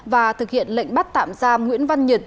và thực hiện lệnh bắt tạm giam nguyễn văn nhật